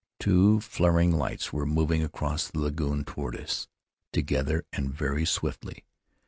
Two flaring lights were mov ing across the lagoon toward us — together and very swiftly.